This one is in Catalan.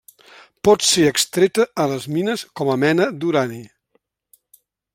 Pot ser extreta a les mines com a mena d'urani.